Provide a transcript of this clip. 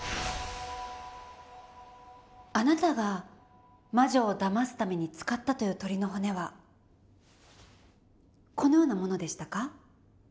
あなたが魔女をだますために使ったという鶏の骨はこのようなものでしたか？